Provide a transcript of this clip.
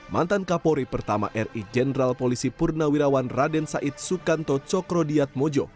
mantan kapolri pertama ri jenderal polisi purnawirawan raden said sukanto cokrodiat mojo